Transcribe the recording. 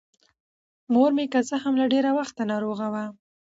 مـور مـې کـه څـه هـم له ډېـره وخـته نـاروغـه وه.